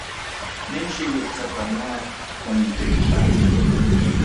Nin xiuitl sapanoa onitekipanok.